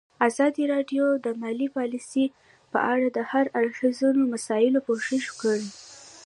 ازادي راډیو د مالي پالیسي په اړه د هر اړخیزو مسایلو پوښښ کړی.